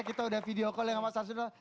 kita udah video call ya sama mas arswendo